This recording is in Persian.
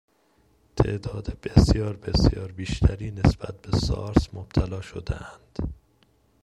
تعداد بسیار بسیار بیشتری نسبت به سارس مبتلا شدهاند